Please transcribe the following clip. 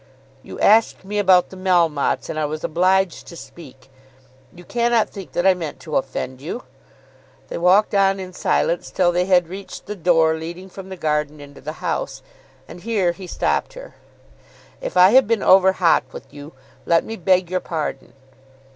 "You asked me about the Melmottes, and I was obliged to speak. You cannot think that I meant to offend you." They walked on in silence till they had reached the door leading from the garden into the house, and here he stopped her. "If I have been over hot with you, let me beg your pardon."